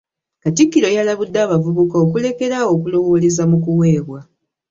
Katikkiro yalabudde abavubuka okulekera awo okulowooleza mu kuweebwa